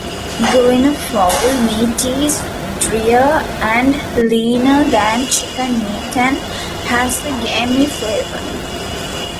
Guineafowl meat is drier and leaner than chicken meat and has a gamey flavour.